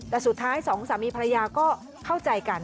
แต่สุดท้ายสองสามีภรรยาก็เข้าใจกัน